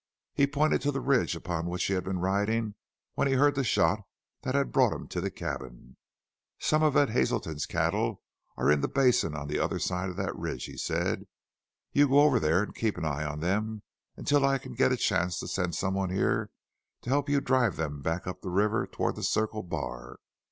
He pointed to the ridge upon which he had been riding when he heard the shot that had brought him to the cabin. "Some of Ed Hazelton's cattle are in the basin on the other side of that ridge," he said. "You go over there and keep an eye on them until I can get a chance to send some one here to help you drive them back up the river toward the Circle Bar."